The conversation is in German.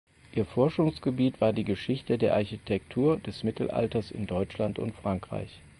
Ihr Forschungsgebiet war die Geschichte der Architektur des Mittelalters in Deutschland und Frankreich.